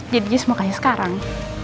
jadi jess mau kasih sekarang